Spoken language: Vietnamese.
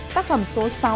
tác phẩm số sáu